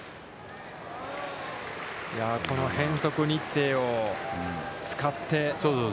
この変則日程を使って。